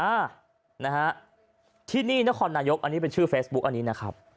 อ่านะครับที่นี่นะครนายบเป็นชื่อเฟซบุ๊กอันนี้นะครับ